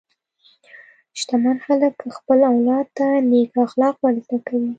شتمن خلک خپل اولاد ته نېک اخلاق ورزده کوي.